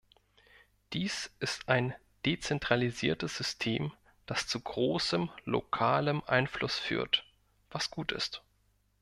Dies ist ein dezentralisiertes System, das zu großem lokalem Einfluss führt, was gut ist.